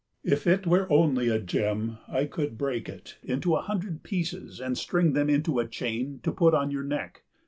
If it were only a gem I could break it into a hundred pieces and string them into a chain to put on your neck.